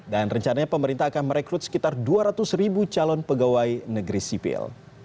dan rencananya pemerintah akan merekrut sekitar dua ratus ribu calon pegawai negeri sipil